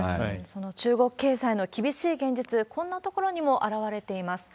その中国経済の厳しい現実、こんなところにも表れています。